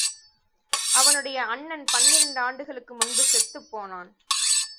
அவனுடைய அண்ணன் பன்னிரண்டு ஆண்டுகளுக்கு முன்பு செத்துப் போனான்.